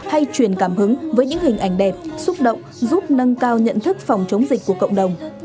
hay truyền cảm hứng với những hình ảnh đẹp xúc động giúp nâng cao nhận thức phòng chống dịch của cộng đồng